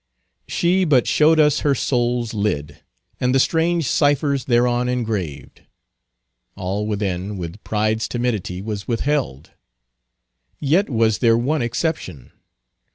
She but showed us her soul's lid, and the strange ciphers thereon engraved; all within, with pride's timidity, was withheld. Yet was there one exception.